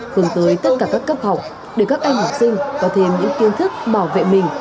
hướng tới tất cả các cấp học để các em học sinh có thêm những kiến thức bảo vệ mình